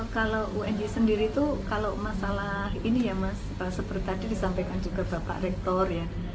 kalau unj sendiri itu kalau masalah ini ya mas seperti tadi disampaikan juga bapak rektor ya